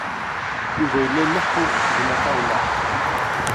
Yuba yella ileḥḥu d Nna Faḍma.